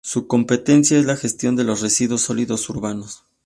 Su competencia es la gestión de los residuos sólidos urbanos.